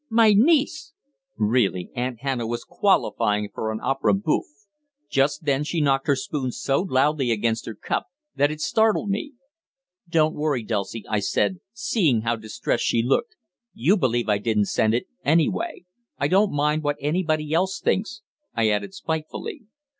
"My niece!" Really, Aunt Hannah was qualifying for opéra bouffe! Just then she knocked her spoon so loudly against her cup that it startled me. "Don't worry, Dulcie," I said, seeing how distressed she looked. "You believe I didn't send it, anyway I don't mind what anybody else thinks," I added spitefully.